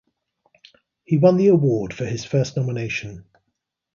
He won the award for his first nomination.